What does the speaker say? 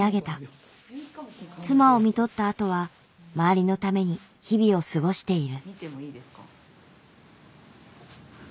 妻を看取ったあとは周りのために日々を過ごしている。